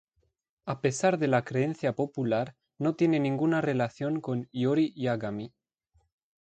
A pesar de la creencia popular no tiene ninguna relación con Iori Yagami.